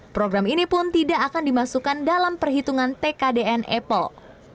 program ini pun tidak akan dimasukkan dalam perhitungan tkdn apple